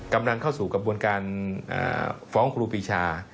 กำลังเข้าสู่กระบวนการฟ้องครูปีชา